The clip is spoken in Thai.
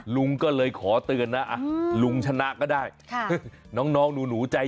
ลุงก็เลยขอเตือนนะลุงชนะก็ได้